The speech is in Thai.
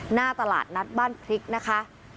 หน้าตลาดนัดบ้านพริกนะคะ